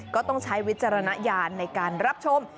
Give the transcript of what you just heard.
ก็ต้องใช้วิจารณญาณในการรับชม